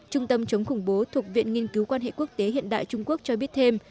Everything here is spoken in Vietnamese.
trung tâm chống khủng bố thuộc viện nghiên cứu quan hệ quốc tế hiện đại trung quốc cho biết thêm